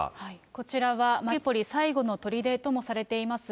こちらはマリウポリ最後のとりでともされています